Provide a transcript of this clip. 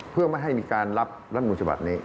เพื่อไม่ให้มีการรับรัฐมูลฉบับนี้